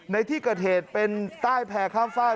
ในที่เกิดเหตุเป็นใต้แพร่ข้ามฝาก